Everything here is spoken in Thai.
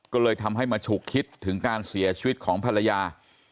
ก็เลยทำให้มาฉุกคิดถึงการเสียชีวิตของภรรยา